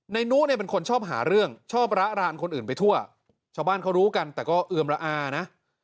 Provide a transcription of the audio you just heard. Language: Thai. นุเนี่ยเป็นคนชอบหาเรื่องชอบระรานคนอื่นไปทั่วชาวบ้านเขารู้กันแต่ก็เอือมระอานะ